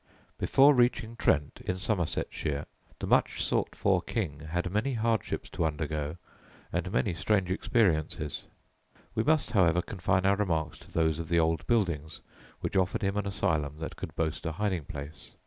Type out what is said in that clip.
Before reaching Trent, in Somersetshire, the much sought for king had many hardships to undergo and many strange experiences. We must, however, confine our remarks to those of the old buildings which offered him an asylum that could boast a hiding place.